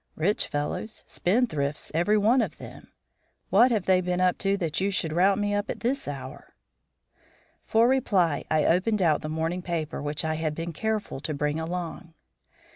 Rich fellows, spendthrifts, every one of them. What have they been up to that you should rout me up at this hour " For reply I opened out the morning paper which I had been careful to bring along.